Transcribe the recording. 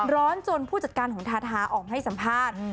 จนผู้จัดการของทาทาออกมาให้สัมภาษณ์